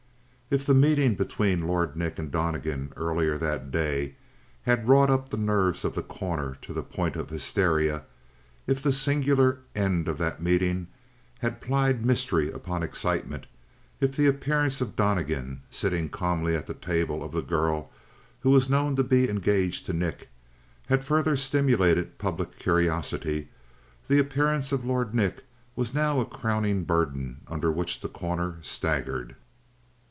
37 If the meeting between Lord Nick and Donnegan earlier that day had wrought up the nerves of The Corner to the point of hysteria; if the singular end of that meeting had piled mystery upon excitement; if the appearance of Donnegan, sitting calmly at the table of the girl who was known to be engaged to Nick, had further stimulated public curiosity, the appearance of Lord Nick was now a crowning burden under which The Corner staggered.